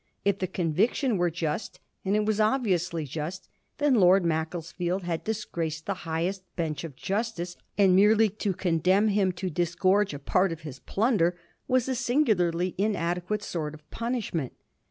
If the conviction were just — and it was obviously just —then Lord Macclesfield had disgraced the lighest bench of justice, and merely to condemn him to dis gorge a part of his plunder waa a singularly inade quate sort of punishment.